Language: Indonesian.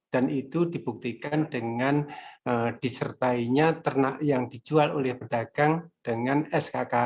dan itu dibuktikan dengan disertainya ternak yang dijual oleh pedagang dengan skk